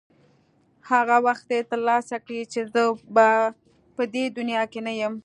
هغه وخت یې ترلاسه کړې چې زه به په دې دنیا کې نه یم.